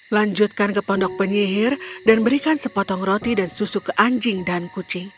lanjutkan ke pondok penyihir dan berikan sepotong roti dan susu ke anjing dan kucing